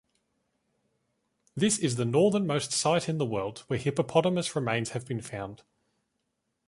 This is the northernmost site in the world where hippopotamus remains have been found.